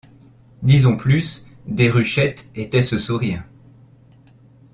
Disons plus, Déruchette était ce sourire.